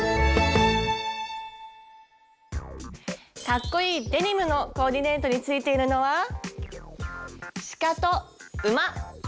かっこいいデニムのコーディネートについているのはシカと馬。